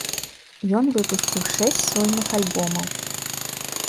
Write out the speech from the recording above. Ён выпусціў шэсць сольных альбомаў.